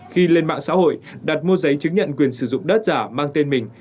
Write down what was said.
khi lên mạng xã hội đặt mua giấy chứng nhận quyền sử dụng đất giả mang tên mình